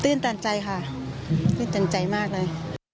สิ้นตันใจค่ะสิ้นตันใจมากเลย